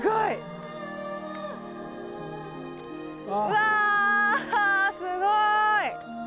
うわすごい！